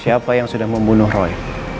siapa yang sudah membunuh roy